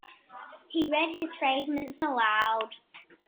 He read his fragments aloud.